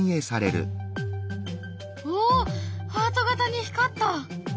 おっハート形に光った！